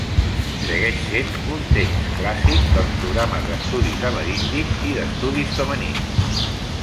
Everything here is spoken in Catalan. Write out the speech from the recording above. Segueix sent un text clàssic dels programes d'estudis amerindis i d'estudis femenins.